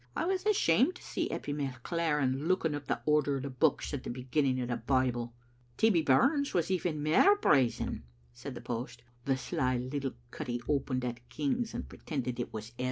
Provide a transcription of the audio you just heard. " I was ashamed to see Eppie McLaren looking up the order o' the books at the beginning o' the Bible." "Tibbie Birse was even mair brazen," said the post, "for the sly cuttie opened at Kings and pretended it was E^ra."